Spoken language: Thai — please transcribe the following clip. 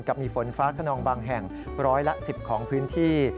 มีฝนฟ้าขนองบางแห่งร้อยละ๑๐ของพื้นที่